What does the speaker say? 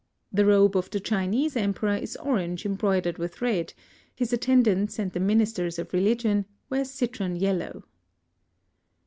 The robe of the Chinese Emperor is orange embroidered with red; his attendants and the ministers of religion wear citron yellow.